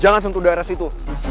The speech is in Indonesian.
jangan sentuh darah situ